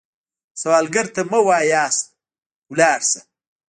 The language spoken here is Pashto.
سوالګر ته مه وايئ “لاړ شه”